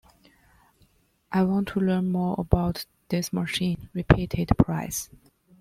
“I want to learn more about this machine,” repeated Price.